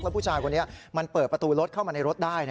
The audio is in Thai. ผู้ชายคนนี้มันเปิดประตูรถเข้ามาในรถได้